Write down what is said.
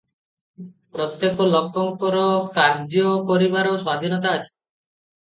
ପ୍ରତ୍ୟେକ ଲୋକର କାର୍ଯ୍ୟ କରିବାର ସ୍ୱାଧୀନତା ଅଛି ।